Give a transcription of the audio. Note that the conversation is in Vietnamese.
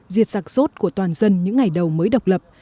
diệt giặc rốt của toàn dân những ngày đầu mới độc lập